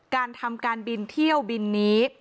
การทำการบินเที่ยวบินนี้